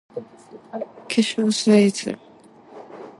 化粧水 ｓ